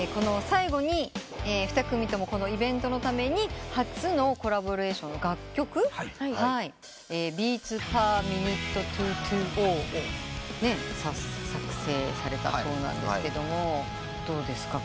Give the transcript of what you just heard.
最後に２組ともこのイベントのために初のコラボレーションの楽曲『ＢｅａｔｓＰｅｒＭｉｎｕｔｅ２２０』を作成されたそうなんですがどうですか？